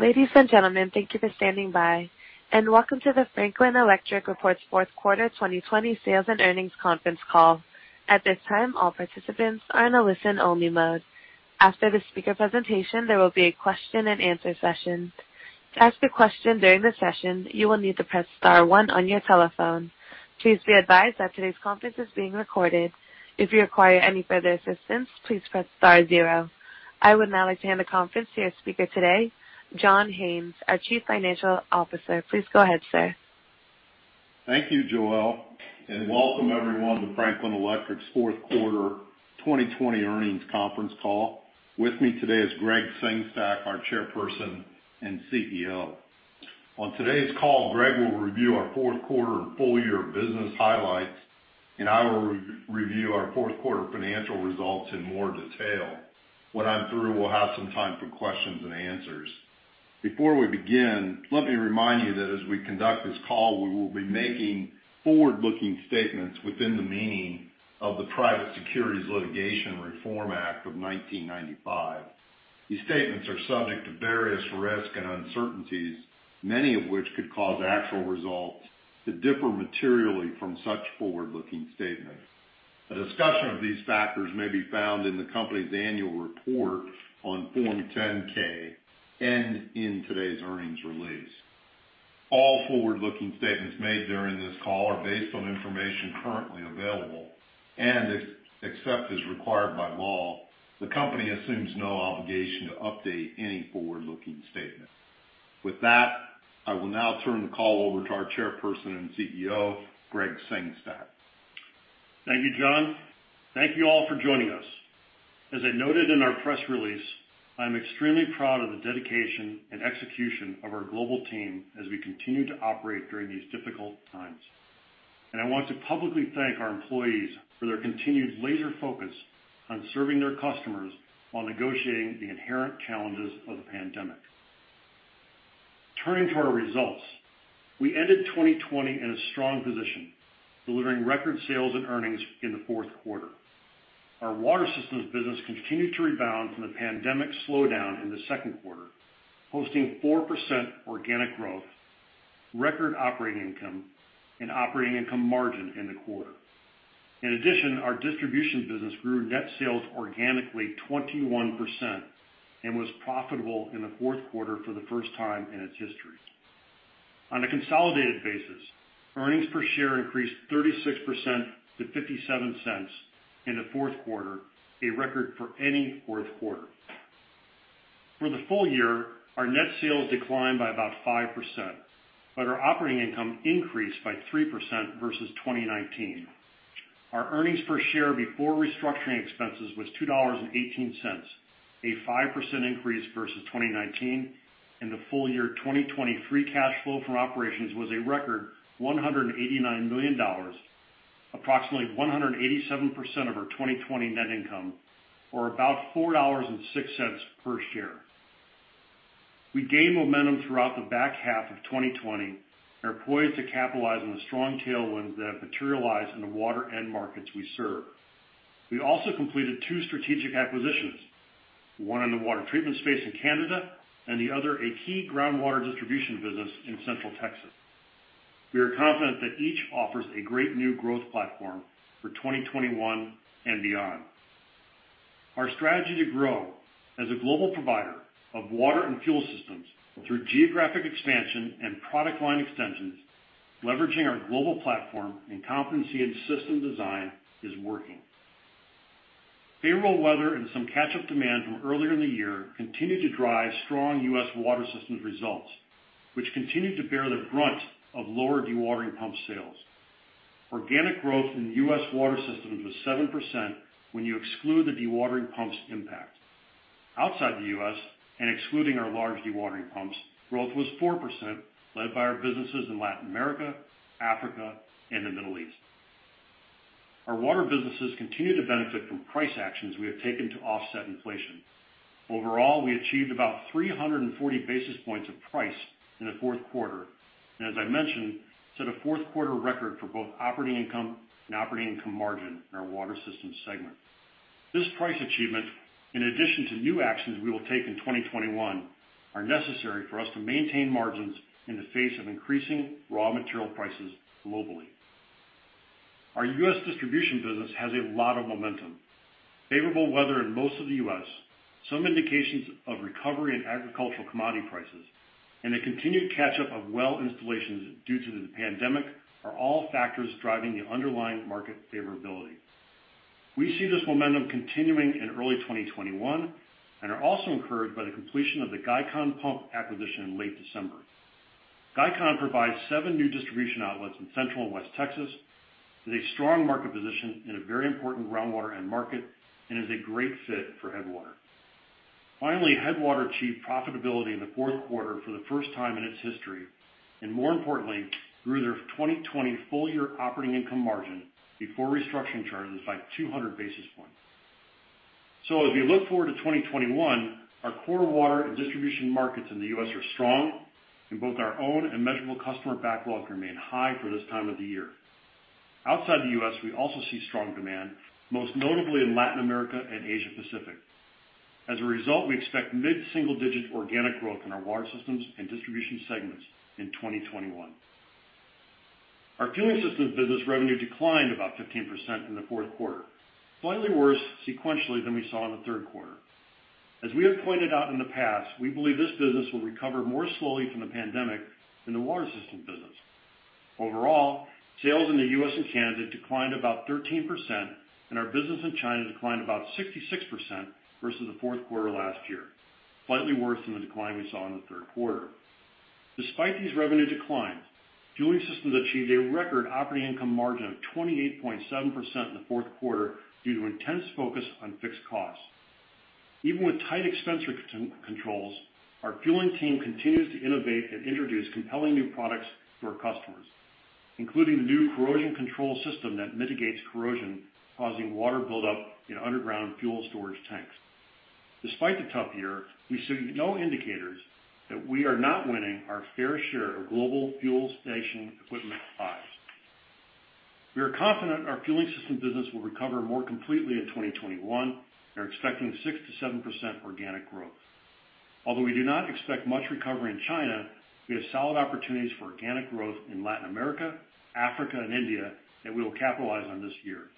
Ladies and gentlemen, thank you for standing by, and Welcome to the Franklin Electric's Fourth Quarter 2020 Sales and Earnings Conference Call. At this time, all participants are in a listen-only mode. After the speaker presentation, there will be a question-and-answer session. To ask a question during the session, you will need to press star one on your telephone. Please be advised that today's conference is being recorded. If you require any further assistance, please press star zero. I would now like to hand the conference to your speaker today, John Haines, our Chief Financial Officer. Please go ahead, sir. Thank you, Joelle, and Welcome everyone to Franklin Electric's Fourth Quarter 2020 Earnings Conference Call. With me today is Gregg Sengstack, our Chairman and CEO. On today's call, Gregg will review our fourth quarter and full-year business highlights, and I will re-review our fourth quarter financial results in more detail. While I'm through, we'll have some time for questions and answers. Before we begin, let me remind you that as we conduct this call, we will be making forward-looking statements within the meaning of the Private Securities Litigation Reform Act of 1995. These statements are subject to various risks and uncertainties, many of which could cause actual results to differ materially from such forward-looking statements. A discussion of these factors may be found in the company's annual report on Form 10-K and in today's earnings release. All forward-looking statements made during this call are based on information currently available, and except as required by law, the company assumes no obligation to update any forward-looking statement. With that, I will now turn the call over to our Chairperson and CEO, Gregg Sengstack. Thank you, John. Thank you all for joining us. As I noted in our press release, I am extremely proud of the dedication and execution of our global team as we continue to operate during these difficult times. I want to publicly thank our employees for their continued laser focus on serving their customers while negotiating the inherent challenges of the pandemic. Turning to our results, we ended 2020 in a strong position, delivering record sales and earnings in the fourth quarter. Our water systems business continued to rebound from the pandemic slowdown in the second quarter, posting 4% organic growth, record operating income, and operating income margin in the quarter. In addition, our distribution business grew net sales organically 21% and was profitable in the fourth quarter for the first time in its history. On a consolidated basis, earnings per share increased 36% to $0.57 in the fourth quarter, a record for any fourth quarter. For the full year, our net sales declined by about 5%, but our operating income increased by 3% versus 2019. Our earnings per share before restructuring expenses was $2.18, a 5% increase versus 2019, and the full year 2020 free cash flow from operations was a record $189 million, approximately 187% of our 2020 net income, or about $4.06 per share. We gained momentum throughout the back half of 2020 and are poised to capitalize on the strong tailwinds that have materialized in the water end markets we serve. We also completed two strategic acquisitions, one in the water treatment space in Canada and the other a key groundwater distribution business in Central Texas. We are confident that each offers a great new growth platform for 2021 and beyond. Our strategy to grow as a global provider of water and fuel systems through geographic expansion and product line extensions, leveraging our global platform and competency in system design, is working. Favorable weather and some catch-up demand from earlier in the year continue to drive strong U.S. water systems results, which continue to bear the brunt of lower dewatering pump sales. Organic growth in U.S. water systems was 7% when you exclude the dewatering pumps' impact. Outside the U.S., and excluding our large dewatering pumps, growth was 4% led by our businesses in Latin America, Africa, and the Middle East. Our water businesses continue to benefit from price actions we have taken to offset inflation. Overall, we achieved about 340 basis points of price in the fourth quarter and, as I mentioned, set a fourth quarter record for both operating income and operating income margin in our water systems segment. This price achievement, in addition to new actions we will take in 2021, are necessary for us to maintain margins in the face of increasing raw material prices globally. Our U.S. distribution business has a lot of momentum. Favorable weather in most of the U.S., some indications of recovery in agricultural commodity prices, and a continued catch-up of well installations due to the pandemic are all factors driving the underlying market favorability. We see this momentum continuing in early 2021 and are also encouraged by the completion of the Gicon Pumps acquisition in late December. Gicon provides seven new distribution outlets in central and West Texas, with a strong market position in a very important groundwater end market, and is a great fit for Headwater. Finally, Headwater achieved profitability in the fourth quarter for the first time in its history and, more importantly, grew their 2020 full-year operating income margin before restructuring charges by 200 basis points. So as we look forward to 2021, our core water and distribution markets in the U.S. are strong, and both our own and measurable customer backlog remain high for this time of the year. Outside the U.S., we also see strong demand, most notably in Latin America and Asia-Pacific. As a result, we expect mid-single-digit organic growth in our water systems and distribution segments in 2021. Our Fueling Systems business revenue declined about 15% in the fourth quarter, slightly worse sequentially than we saw in the third quarter. As we have pointed out in the past, we believe this business will recover more slowly from the pandemic than the water systems business. Overall, sales in the U.S. and Canada declined about 13%, and our business in China declined about 66% versus the fourth quarter last year, slightly worse than the decline we saw in the third quarter. Despite these revenue declines, Fueling Systems achieved a record operating income margin of 28.7% in the fourth quarter due to intense focus on fixed costs. Even with tight expense controls, our fueling team continues to innovate and introduce compelling new products to our customers, including the new corrosion control system that mitigates corrosion causing water buildup in underground fuel storage tanks. Despite the tough year, we see no indicators that we are not winning our fair share of global fuel station equipment buys. We are confident our Fueling System business will recover more completely in 2021 and are expecting 6%-7% organic growth. Although we do not expect much recovery in China, we have solid opportunities for organic growth in Latin America, Africa, and India that we will capitalize on this year.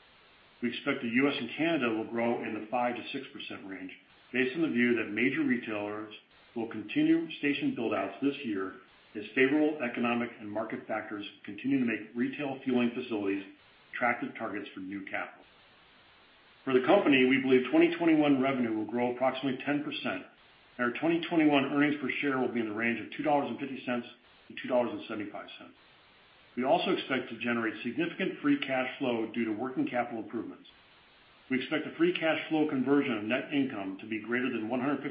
We expect the U.S. and Canada will grow in the 5%-6% range based on the view that major retailers will continue station buildouts this year as favorable economic and market factors continue to make retail fueling facilities attractive targets for new capital. For the company, we believe 2021 revenue will grow approximately 10%, and our 2021 earnings per share will be in the range of $2.50-$2.75. We also expect to generate significant free cash flow due to working capital improvements. We expect the free cash flow conversion of net income to be greater than 115%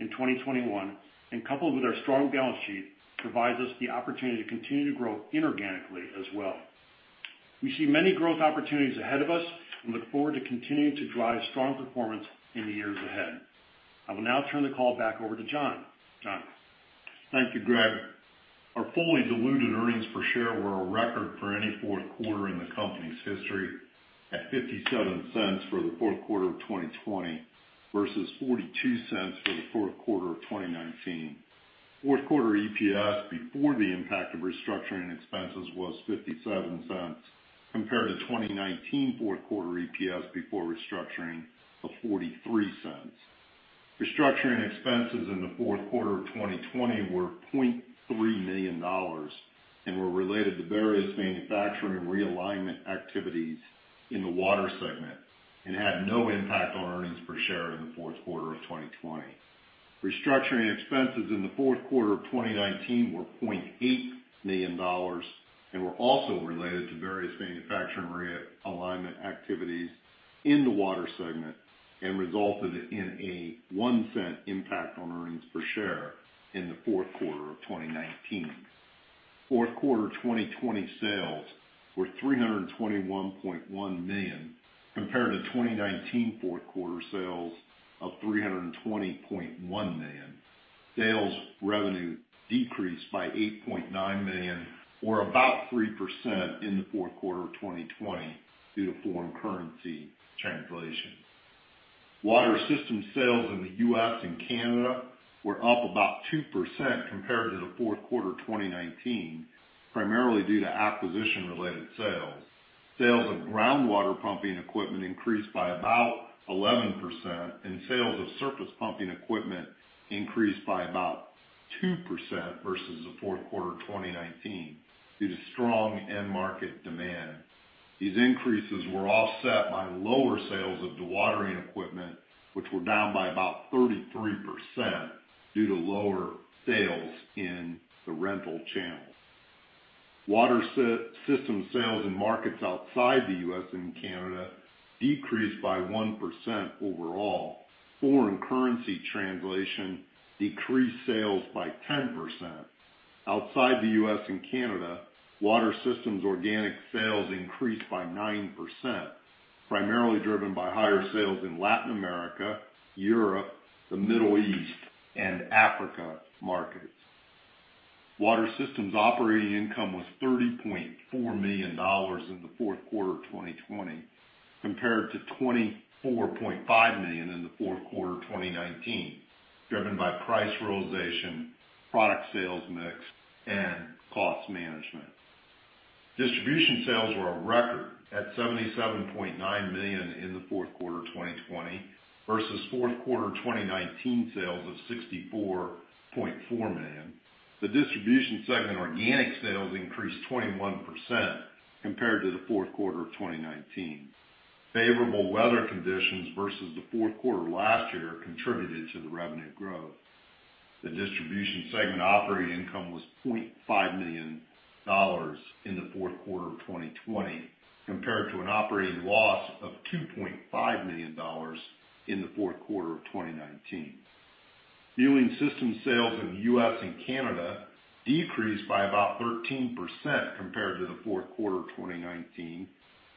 in 2021, and coupled with our strong balance sheet, provides us the opportunity to continue to grow inorganically as well. We see many growth opportunities ahead of us and look forward to continuing to drive strong performance in the years ahead. I will now turn the call back over to John. John. Thank you, Gregg. Our fully diluted earnings per share were a record for any fourth quarter in the company's history at $0.57 for the fourth quarter of 2020 versus $0.42 for the fourth quarter of 2019. Fourth quarter EPS before the impact of restructuring expenses was $0.57 compared to 2019 fourth quarter EPS before restructuring of $0.43. Restructuring expenses in the fourth quarter of 2020 were $0.3 million and were related to various manufacturing realignment activities in the water segment and had no impact on earnings per share in the fourth quarter of 2020. Restructuring expenses in the fourth quarter of 2019 were $0.8 million and were also related to various manufacturing realignment activities in the water segment and resulted in a $0.01 impact on earnings per share in the fourth quarter of 2019. Fourth quarter 2020 sales were $321.1 million compared to 2019 fourth quarter sales of $320.1 million. Sales revenue decreased by $8.9 million or about 3% in the fourth quarter of 2020 due to foreign currency translation. Water Systems sales in the U.S. and Canada were up about 2% compared to the fourth quarter of 2019, primarily due to acquisition-related sales. Sales of groundwater pumping equipment increased by about 11%, and sales of surface pumping equipment increased by about 2% versus the fourth quarter of 2019 due to strong end market demand. These increases were offset by lower sales of dewatering equipment, which were down by about 33% due to lower sales in the rental channel. Water Systems sales in markets outside the U.S. and Canada decreased by 1% overall. Foreign currency translation decreased sales by 10%. Outside the U.S. and Canada, Water Systems organic sales increased by 9%, primarily driven by higher sales in Latin America, Europe, the Middle East, and Africa markets. Water Systems operating income was $30.4 million in the fourth quarter of 2020 compared to $24.5 million in the fourth quarter of 2019, driven by price realization, product sales mix, and cost management. Distribution sales were a record at $77.9 million in the fourth quarter of 2020 versus fourth quarter 2019 sales of $64.4 million. The Distribution segment organic sales increased 21% compared to the fourth quarter of 2019. Favorable weather conditions versus the fourth quarter last year contributed to the revenue growth. The Distribution segment operating income was $0.5 million in the fourth quarter of 2020 compared to an operating loss of $2.5 million in the fourth quarter of 2019. Fueling Systems sales in the U.S. and Canada decreased by about 13% compared to the fourth quarter of 2019.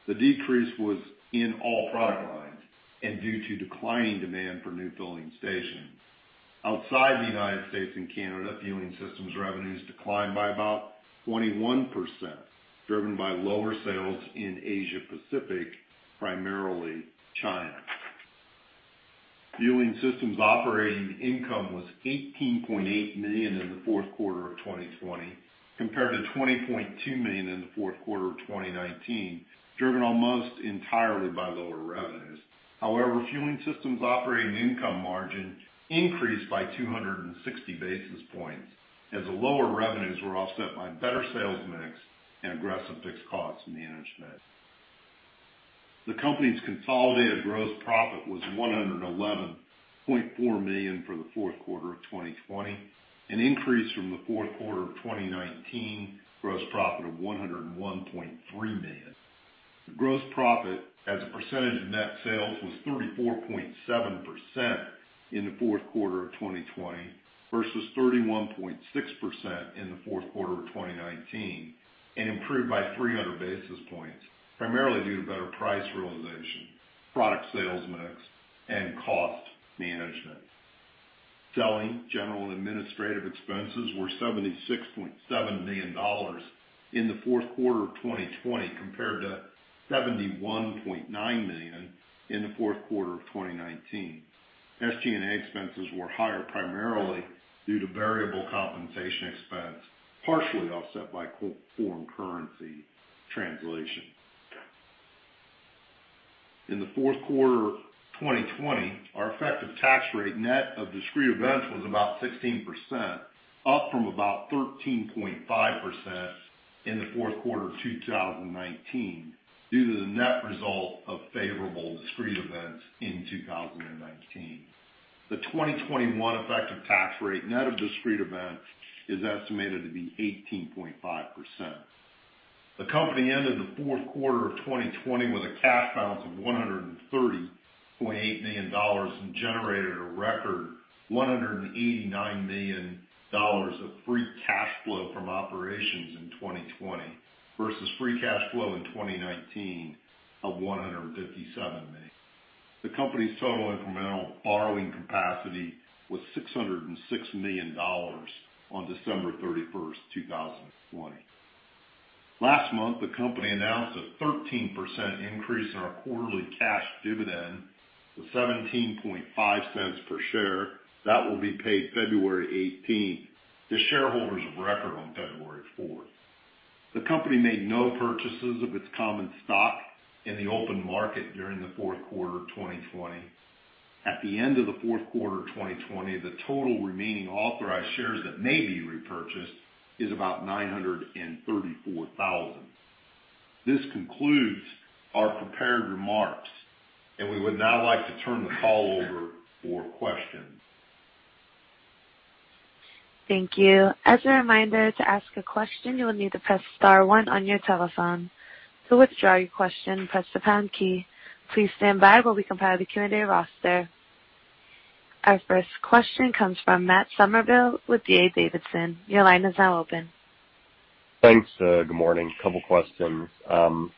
The decrease was in all product lines and due to declining demand for new filling stations. Outside the United States and Canada, Fueling Systems revenues declined by about 21%, driven by lower sales in Asia-Pacific, primarily China. Fueling Systems operating income was $18.8 million in the fourth quarter of 2020 compared to $20.2 million in the fourth quarter of 2019, driven almost entirely by lower revenues. However, Fueling Systems operating income margin increased by 260 basis points as the lower revenues were offset by better sales mix and aggressive fixed cost management. The company's consolidated gross profit was $111.4 million for the fourth quarter of 2020, an increase from the fourth quarter of 2019 gross profit of $101.3 million. Gross profit as a percentage of net sales was 34.7% in the fourth quarter of 2020 versus 31.6% in the fourth quarter of 2019 and improved by 300 basis points, primarily due to better price realization, product sales mix, and cost management. Selling general and administrative expenses were $76.7 million in the fourth quarter of 2020 compared to $71.9 million in the fourth quarter of 2019. SG&A expenses were higher, primarily due to variable compensation expense, partially offset by foreign currency translation. In the fourth quarter of 2020, our effective tax rate net of discrete events was about 16%, up from about 13.5% in the fourth quarter of 2019 due to the net result of favorable discrete events in 2019. The 2021 effective tax rate net of discrete events is estimated to be 18.5%. The company ended the fourth quarter of 2020 with a cash balance of $130.8 million and generated a record $189 million of free cash flow from operations in 2020 versus free cash flow in 2019 of $157 million. The company's total incremental borrowing capacity was $606 million on December 31st, 2020. Last month, the company announced a 13% increase in our quarterly cash dividend of $0.175 per share that will be paid February 18th to shareholders of record on February 4th. The company made no purchases of its common stock in the open market during the fourth quarter of 2020. At the end of the fourth quarter of 2020, the total remaining authorized shares that may be repurchased is about 934,000. This concludes our prepared remarks, and we would now like to turn the call over for questions. Thank you. As a reminder, to ask a question, you will need to press star one on your telephone. To withdraw your question, press the pound key. Please stand by while we compile the Q&A roster. Our first question comes from Matt Summerville with D.A. Davidson. Your line is now open. Thanks. Good morning. Couple of questions.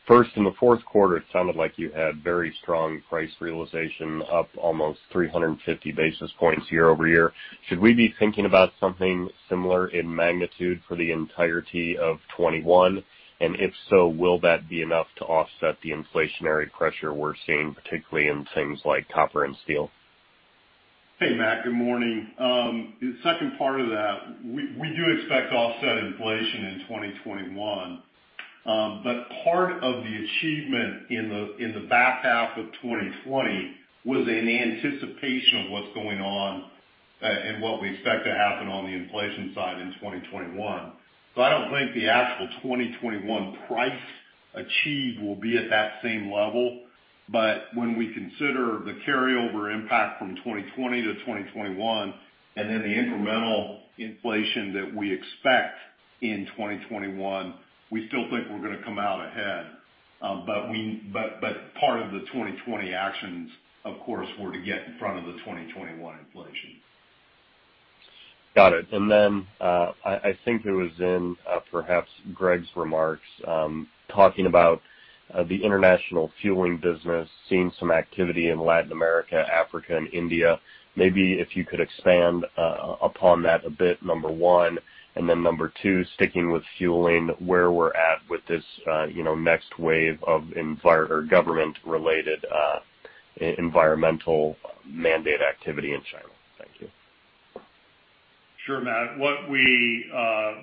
First, in the fourth quarter, it sounded like you had very strong price realization, up almost 350 basis points year-over-year. Should we be thinking about something similar in magnitude for the entirety of 2021? And if so, will that be enough to offset the inflationary pressure we're seeing, particularly in things like copper and steel? Hey, Matt. Good morning. The second part of that, we do expect offset inflation in 2021, but part of the achievement in the back half of 2020 was an anticipation of what's going on and what we expect to happen on the inflation side in 2021. So I don't think the actual 2021 price achieved will be at that same level. But when we consider the carryover impact from 2020 to 2021 and then the incremental inflation that we expect in 2021, we still think we're going to come out ahead. But part of the 2020 actions, of course, were to get in front of the 2021 inflation. Got it. And then I think it was in perhaps Gregg's remarks talking about the international fueling business, seeing some activity in Latin America, Africa, and India. Maybe if you could expand upon that a bit, number one, and then number two, sticking with fueling, where we're at with this next wave of government-related environmental mandate activity in China. Thank you. Sure, Matt. What we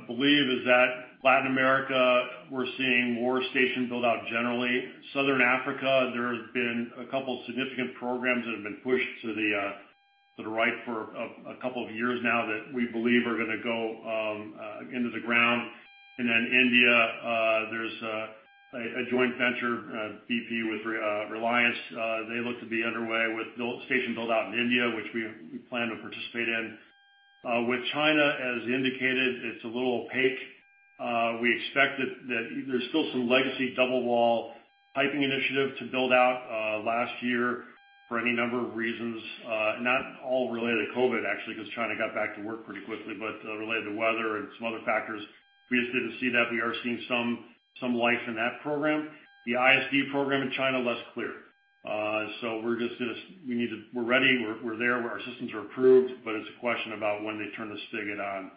believe is that Latin America, we're seeing more station buildout generally. Southern Africa, there have been a couple of significant programs that have been pushed to the right for a couple of years now that we believe are going to go into the ground. And then India, there's a joint venture, BP, with Reliance. They look to be underway with station buildout in India, which we plan to participate in. With China, as indicated, it's a little opaque. We expect that there's still some legacy double-wall piping initiative to build out last year for any number of reasons, not all related to COVID, actually, because China got back to work pretty quickly, but related to weather and some other factors. We just didn't see that. We are seeing some life in that program. The ISD program in China, less clear. We're ready. We're there. Our systems are approved, but it's a question about when they turn the spigot on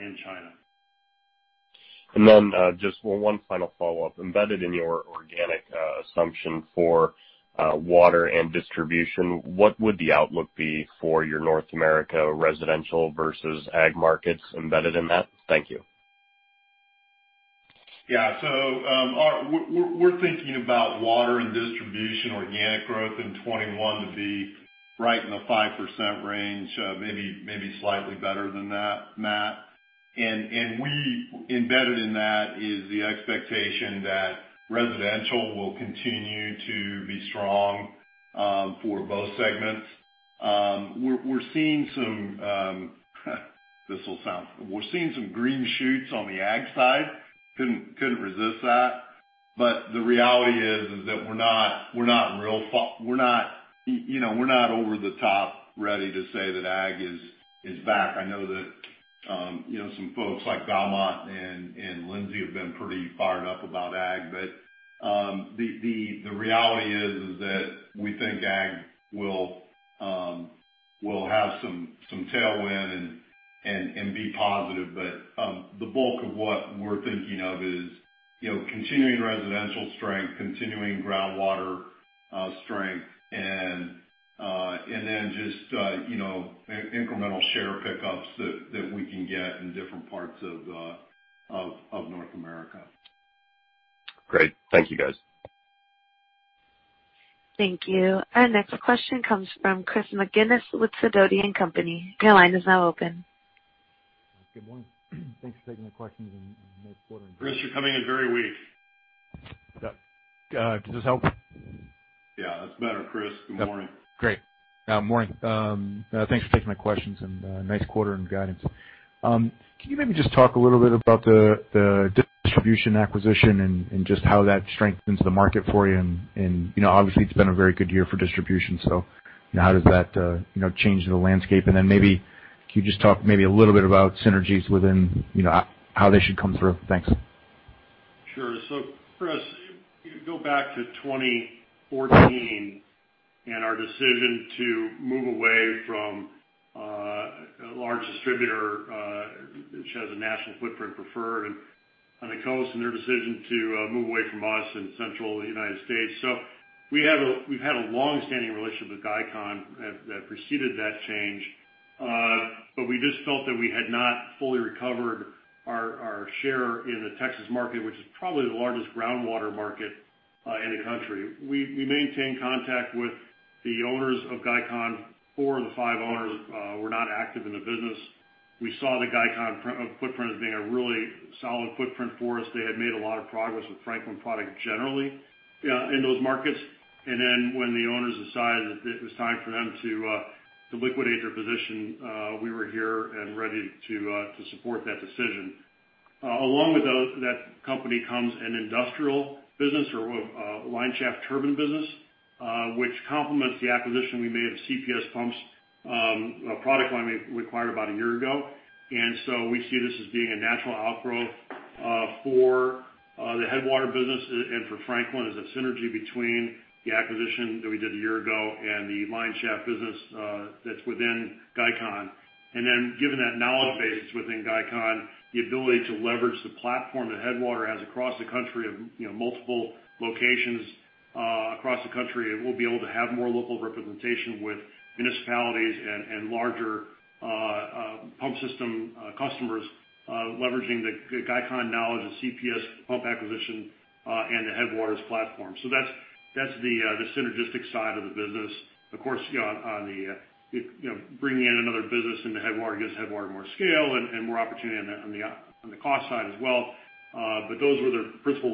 in China. And then just one final follow-up. Embedded in your organic assumption for water and distribution, what would the outlook be for your North America residential versus ag markets embedded in that? Thank you. Yeah. So we're thinking about water and distribution, organic growth in 2021 to be right in the 5% range, maybe slightly better than that, Matt. And embedded in that is the expectation that residential will continue to be strong for both segments. We're seeing some green shoots on the ag side. Couldn't resist that. But the reality is that we're not over the top ready to say that ag is back. I know that some folks like Valmont and Lindsay have been pretty fired up about ag, but the reality is that we think ag will have some tailwind and be positive. But the bulk of what we're thinking of is continuing residential strength, continuing groundwater strength, and then just incremental share pickups that we can get in different parts of North America. Great. Thank you, guys. Thank you. Our next question comes from Chris McGinnis with Sidoti & Company. Your line is now open. Good morning. Thanks for taking my questions and nice quarter and guidance. Chris, you're coming in very weak. Yeah. Did this help? Yeah. It's better, Chris. Good morning. Good morning. Thanks for taking my questions and nice quarter and guidance. Can you maybe just talk a little bit about the distribution acquisition and just how that strengthens the market for you? And obviously, it's been a very good year for distribution, so how does that change the landscape? And then maybe can you just talk maybe a little bit about synergies within how they should come through? Thanks. Sure. So Chris, go back to 2014 and our decision to move away from a large distributor which has a national footprint preferred on the coast and their decision to move away from us in central United States. So we've had a longstanding relationship with Gicon that preceded that change, but we just felt that we had not fully recovered our share in the Texas market, which is probably the largest groundwater market in the country. We maintained contact with the owners of Gicon. Four of the five owners were not active in the business. We saw the Gicon footprint as being a really solid footprint for us. They had made a lot of progress with Franklin product generally in those markets. And then when the owners decided that it was time for them to liquidate their position, we were here and ready to support that decision. Along with that company comes an industrial business or lineshaft turbine business, which complements the acquisition we made of CPS Pumps, a product line we acquired about a year ago. And so we see this as being a natural outgrowth for the Headwater business and for Franklin as a synergy between the acquisition that we did a year ago and the lineshaft business that's within Gicon. And then given that knowledge base that's within Gicon, the ability to leverage the platform that Headwater has across the country of multiple locations across the country, we'll be able to have more local representation with municipalities and larger pump system customers leveraging the Gicon knowledge of CPS Pumps acquisition and the Headwater's platform. So that's the synergistic side of the business. Of course, on the bringing in another business into Headwater gives Headwater more scale and more opportunity on the cost side as well. But those were the principal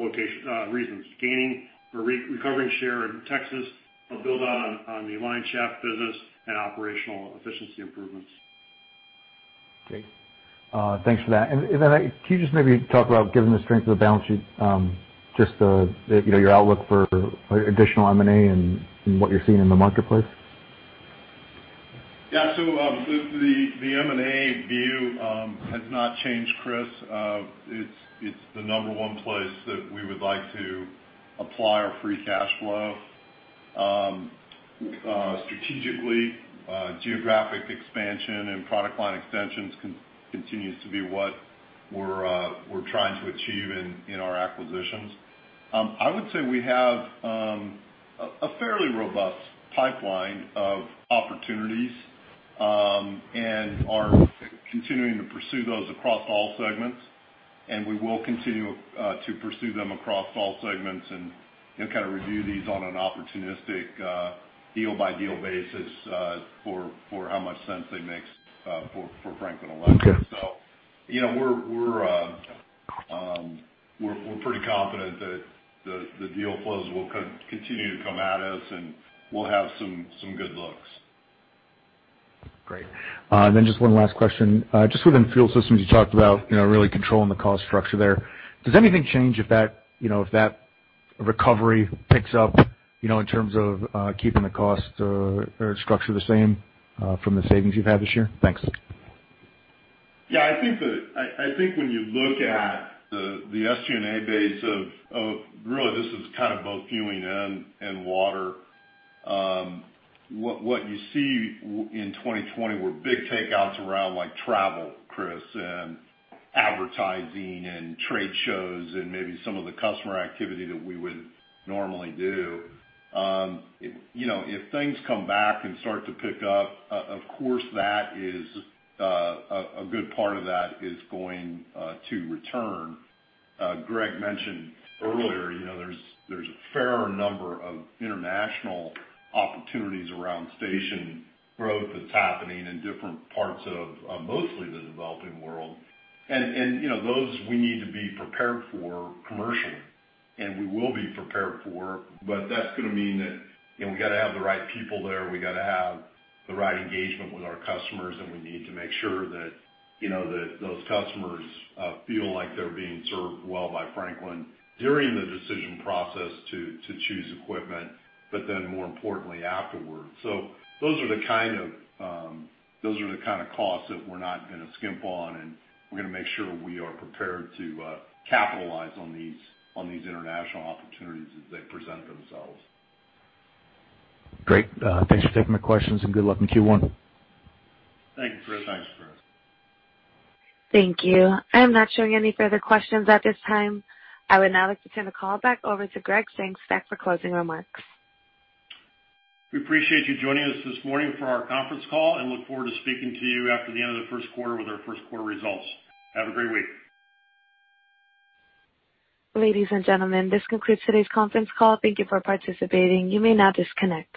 reasons. Gaining or recovering share in Texas of buildout on the lineshaft business and operational efficiency improvements. Great. Thanks for that. Can you just maybe talk about, given the strength of the balance sheet, just your outlook for additional M&A and what you're seeing in the marketplace? Yeah. So the M&A view has not changed, Chris. It's the number one place that we would like to apply our free cash flow strategically. Geographic expansion and product line extensions continues to be what we're trying to achieve in our acquisitions. I would say we have a fairly robust pipeline of opportunities and are continuing to pursue those across all segments. And we will continue to pursue them across all segments and kind of review these on an opportunistic deal-by-deal basis for how much sense they make for Franklin Electric. So we're pretty confident that the deal flows will continue to come at us, and we'll have some good looks. Great. And then just one last question. Just within fuel systems, you talked about really controlling the cost structure there. Does anything change if that recovery picks up in terms of keeping the cost structure the same from the savings you've had this year? Thanks. Yeah. I think when you look at the SG&A base of really, this is kind of both fueling and water. What you see in 2020 were big takeouts around travel, Chris, and advertising and trade shows and maybe some of the customer activity that we would normally do. If things come back and start to pick up, of course, a good part of that is going to return. Gregg mentioned earlier, there's a fair number of international opportunities around station growth that's happening in different parts of mostly the developing world. And those we need to be prepared for commercially, and we will be prepared for. But that's going to mean that we got to have the right people there. We got to have the right engagement with our customers, and we need to make sure that those customers feel like they're being served well by Franklin during the decision process to choose equipment, but then more importantly, afterwards. So those are the kind of costs that we're not going to skimp on, and we're going to make sure we are prepared to capitalize on these international opportunities as they present themselves. Great. Thanks for taking my questions, and good luck in Q1. Thank you, Chris. Thanks, Chris. Thank you. I am not showing any further questions at this time. I would now like to turn the call back over to Gregg Sengstack for closing remarks. We appreciate you joining us this morning for our conference call and look forward to speaking to you after the end of the first quarter with our first quarter results. Have a great week. Ladies and gentlemen, this concludes today's conference call. Thank you for participating. You may now disconnect.